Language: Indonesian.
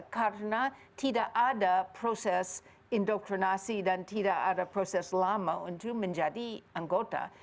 karena tidak ada proses indoktrinasi dan tidak ada proses lama untuk menjadi anggota